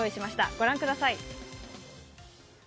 ご覧ください。